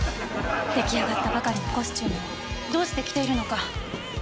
出来上がったばかりのコスチュームをどうして着ているのか。